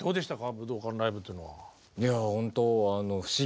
武道館ライブっていうのは？